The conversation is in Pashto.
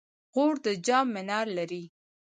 غور د جام منار لري